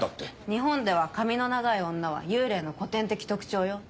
日本では髪の長い女は幽霊の古典的特徴よ。